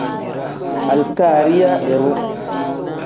Alikariya iru.